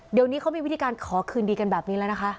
เดี๋ยวนี้เขามีวิธีการขอคืนดีกันแบบนี้แล้วนะคะ